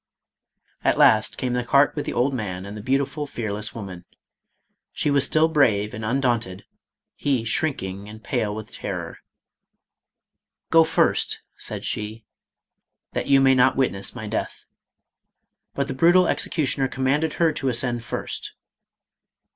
At last came the cart with the old man and the beautiful, fearless woman. She was still brave and un daunted, he shrinking and pale with terror. "Go first," said she, " that you may not witness my death." But the brutal executioner commanded her to ascend first.